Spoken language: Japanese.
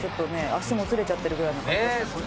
足もつれちゃってるぐらいの感じですもんね。